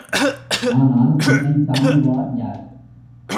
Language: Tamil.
ஆனால் என்னைத் தாங்குவார் யார்?